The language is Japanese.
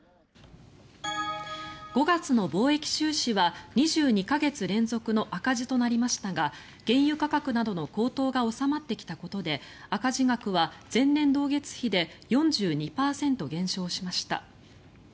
５月の貿易収支は２２か月連続の赤字となりましたが原油価格などの高騰が収まってきたことで赤字額は前年同月比で４２％減少しました。